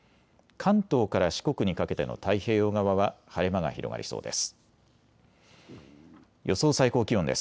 関東から四国にかけての太平洋側は晴れ間が広がりそうです。